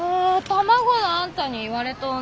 卵のあんたに言われとうないわ。